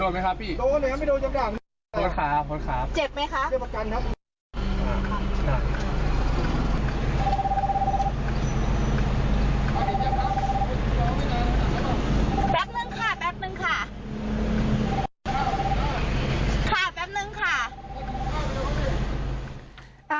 แป๊บนึงค่ะแป๊บนึงค่ะ